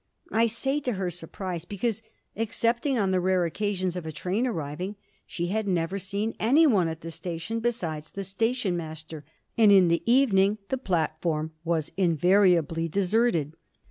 I say to her surprise, because, excepting on the rare occasion of a train arriving, she had never seen anyone at the station besides the station master, and in the evening the platform was invariably deserted.